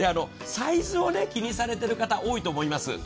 サイズを気にされている方、多いと思います。